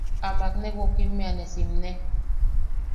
Amak ne wokimmea ne simne.